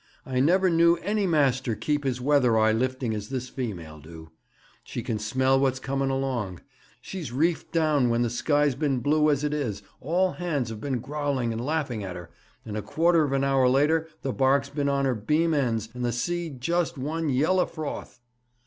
I never knew any master keep his weather eye lifting as this female do. She can smell what's coming along. She's reefed down when the sky's been blue as it is, all hands have been growling and laughing at her, and a quarter of an hour later the barque's been on her beam ends, and the sea just one yell o' froth!'